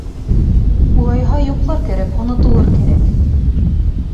Улайһа йоҡлар кәрәк, онотолор кәрәк.